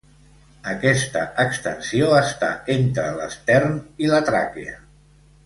Aquesta extensió està entre l'estern i la tràquea.